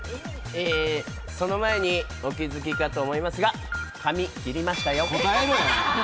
その前にお気づきかと思いますが、髪切りましたよ。